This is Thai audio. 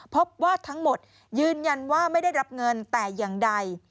พบว่าทั้งหมดยืนยันว่าไม่ได้รับเงินแต่อย่างใด